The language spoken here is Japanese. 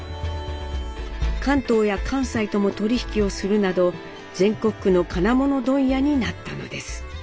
関東や関西とも取り引きをするなど全国区の金物問屋になったのです。